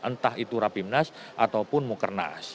entah itu rapimnas ataupun mukernas